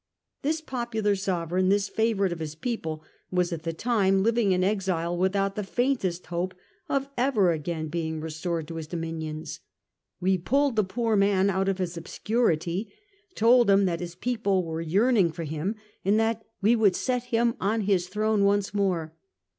TMs popular sovereign, tMs favourite of Ms people, was at the time living in exile, without the faintest hope of ever again being restored to his do mini ons. "We pulled the poor man out of Ms obscurity, told him that his people were yearning for him, and that we would set him on Ms throne once more.